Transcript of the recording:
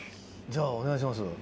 じゃあお願いします。